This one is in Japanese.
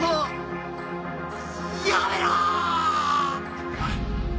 やめろー！